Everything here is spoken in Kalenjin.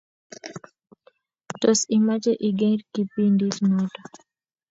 Tos, imache igeer kipindit noto?